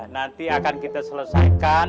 nanti akan kita selesaikan